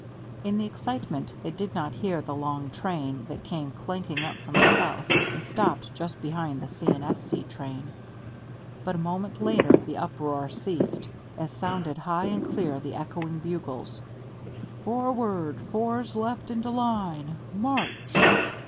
In the excitement they did not hear the long train that came clanking up from the south and stopped just behind the C. & S.C. train. But a moment later the uproar ceased, as sounded high and clear the echoing bugles, "Forward, Fours left into line, March!"